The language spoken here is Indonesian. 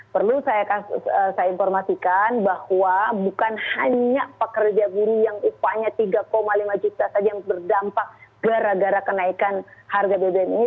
perlu saya informasikan bahwa bukan hanya pekerja buruh yang upahnya tiga lima juta saja yang berdampak gara gara kenaikan harga bbm ini